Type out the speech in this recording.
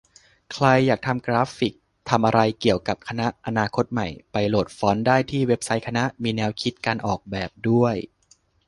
ใครอยากทำกราฟิก ทำอะไรเกี่ยวกับ คณะอนาคตใหม่ ไปโหลดฟอนต์ได้ที่เว็บไซต์คณะ มีแนวคิดการออกแบบด้วย